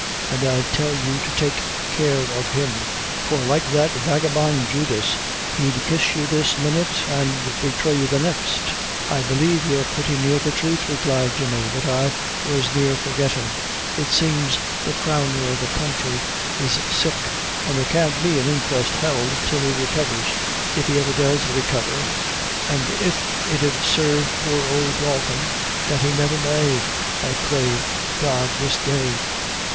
and I tell you to take care of him, for, like that vagabone, Judas, he'd kiss you this minute and betray you the next." "I believe you're purty near the truth," replied Jemmy, "but I was near forgettin' it seems the Crowner of the country is sick, an' there can't be an inquest held till he recovers; if he ever does recover, an' if it 'ud sarve poor ould Dalton, that he never may, I pray God this day!